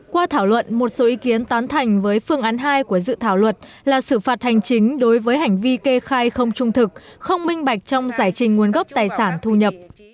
qua thảo luận một số ý kiến tán thành với phương án hai của dự thảo luật là xử phạt hành chính đối với hành vi kê khai không trung thực không minh bạch trong giải trình nguồn gốc tài sản thu nhập